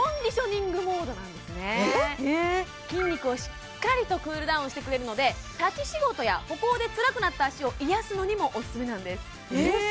それが筋肉をしっかりとクールダウンしてくれるので立ち仕事や歩行でつらくなった足を癒やすのにもオススメなんですえっ